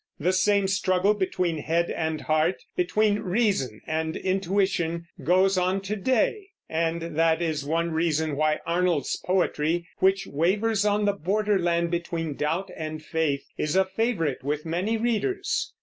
The same struggle between head and heart, between reason and intuition, goes on to day, and that is one reason why Arnold's poetry, which wavers on the borderland between doubt and faith, is a favorite with many readers.